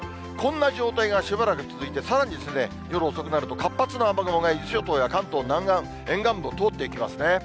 こんな状態がしばらく続いて、さらに夜遅くなると、活発な雨雲が伊豆諸島や、関東南岸、沿岸部を通っていきますね。